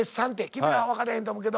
君ら分かれへんと思うけど。